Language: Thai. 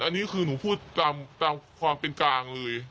อันนี้คือหนูพูดตามความเป็นกลางเลย